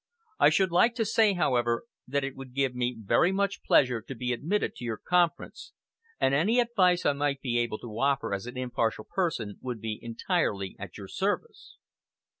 I should like to say, however, that it would give me very much pleasure to be admitted to your conference, and any advice I might be able to offer as an impartial person would be entirely at your service."